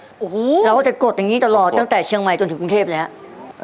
โอ้โหเราก็จะกดอย่างนี้ตลอดตั้งแต่เชียงใหม่จนถึงกรุงเทพแล้ว